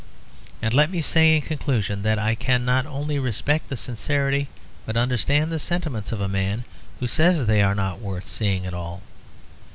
And let me say in conclusion that I can not only respect the sincerity, but understand the sentiments, of a man who says they are not worth seeing at all.